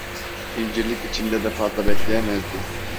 İncirlik içinde de fazla bekleyemezdi.